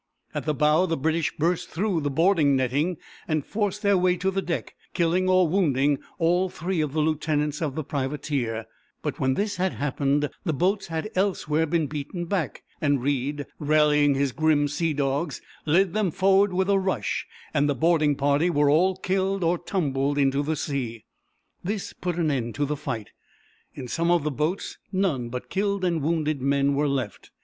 At the bow the British burst through the boarding netting, and forced their way to the deck, killing or wounding all three of the lieutenants of the privateer; but when this had happened the boats had elsewhere been beaten back, and Reid, rallying his grim sea dogs, led them forward with a rush, and the boarding party were all killed or tumbled into the sea. This put an end to the fight. In some of the boats none but killed and wounded men were left.